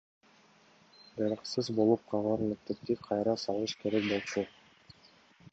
Жараксыз болуп калган мектепти кайра салыш керек болчу.